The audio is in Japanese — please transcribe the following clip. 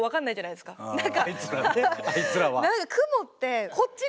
あいつらは。